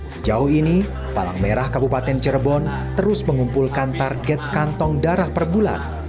sejauh ini palang merah kabupaten cirebon terus mengumpulkan target kantong darah per bulan